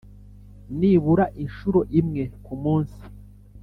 nibura inshuro imwe ku munsi.